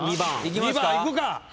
２番いくか。